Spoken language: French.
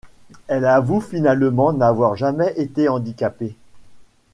Elle avoue finalement n'avoir jamais été handicapée.